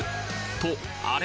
とあれ？